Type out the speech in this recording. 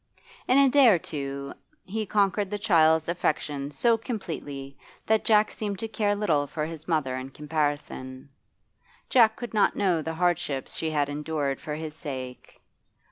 In a day or two be conquered the child's affections so completely that Jack seemed to care little for his mother in comparison; Jack could not know the hardships she had endured for his sake.